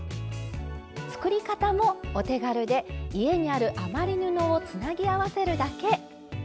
作り方もお手軽で家にある余り布をつなぎ合わせるだけ。